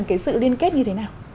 cái sự liên kết như thế nào